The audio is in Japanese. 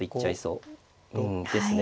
うんですね。